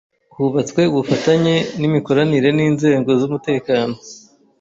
Hubatswe ubufatanye n’imikoranire n’inzego z’umutekano